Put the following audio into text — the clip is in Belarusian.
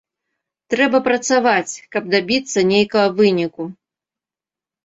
Трэба працаваць, каб дабіцца нейкага выніку.